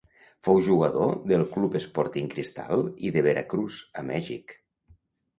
Fou jugador del club Sporting Cristal i de Veracruz a Mèxic.